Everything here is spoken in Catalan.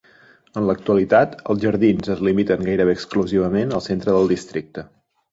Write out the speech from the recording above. En l'actualitat, els jardins es limiten gairebé exclusivament al centre del districte.